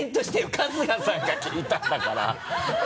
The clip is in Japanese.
春日さんが聞いたんだから。